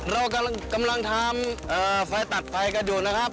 เรากำลังทำไฟตัดไฟกันอยู่นะครับ